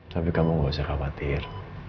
tapi kamu gak usah khawatir